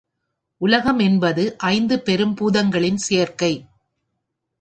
உலகம் என்பது ஐந்து பெரும் பூதங்களின் சேர்க்கை.